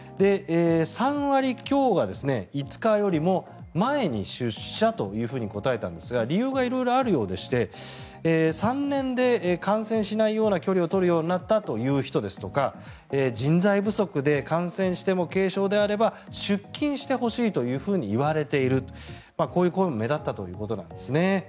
３割強が５日よりも前に出社と答えたんですが理由が色々あるようでして３年で感染しないような距離を取るようになったという人ですとか人材不足で感染しても軽症であれば出勤してほしいというふうにいわれているこういう声も目立ったということなんですね。